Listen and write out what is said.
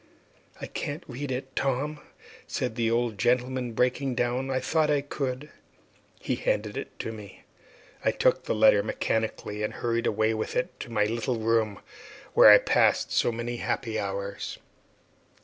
"I can't read it, Tom," said the old gentleman, breaking down. "I thought I could." He handed it to me. I took the letter mechanically, and hurried away with it to my little room, where I had passed so many happy hours.